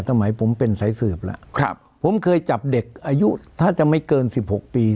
สมัยผมเป็นสายสืบแล้วครับผมเคยจับเด็กอายุถ้าจะไม่เกินสิบหกปี